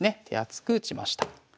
手厚く打ちました。